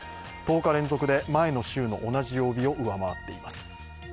１０日連続で前の週の同じ曜日を上回っています。